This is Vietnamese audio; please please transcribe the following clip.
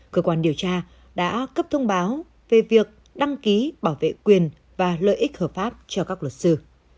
cơ quan điều tra đã cấp thông báo về việc đăng ký bảo vệ quyền và lợi ích hợp pháp cho các luật sư